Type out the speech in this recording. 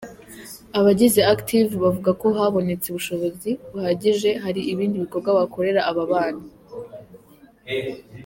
Abagize Active bavuga ko habonetse ubushobozi buhagije hari ibindi bikorwa bakorera aba bana.